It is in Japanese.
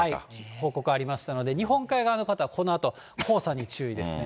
報告ありましたので、日本海側の方、このあと黄砂に注意ですね。